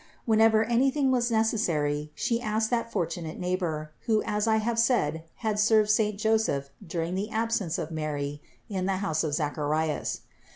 Whenever any thing was necessary She asked that fortunate neighbor, who as I have said had served saint Joseph during the absence of Mary in the house of Zacharias.